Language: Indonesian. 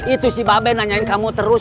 itu si babe nanyain kamu terus